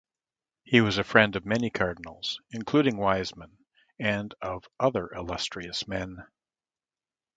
He was a friend of many cardinals, including Wiseman, and of other illustrious men.